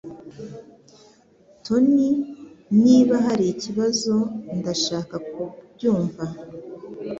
Tony, niba hari ikibazo, ndashaka kubyumva